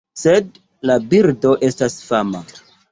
Sed la birdo estas fama.